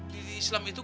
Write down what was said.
di islam itu